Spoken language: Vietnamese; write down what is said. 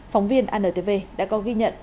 phóng viên antv đã có ghi nhận